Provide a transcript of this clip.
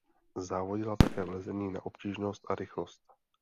Závodila také v lezení na obtížnost a rychlost.